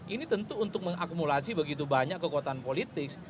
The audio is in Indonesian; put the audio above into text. ini tentu untuk mengakumulasi begitu banyak kekuatan politik